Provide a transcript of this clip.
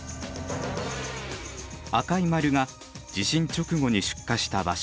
赤い丸が地震直後に出火した場所。